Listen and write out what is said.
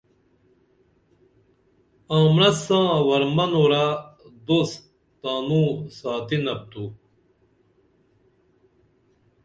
آمرس ساں ور منورہ دوست تانوں ساتینپ تو